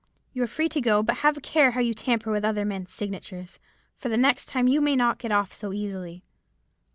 You are free to go; but have a care how you tamper with other men's signatures, for the next time you may not get off so easily.'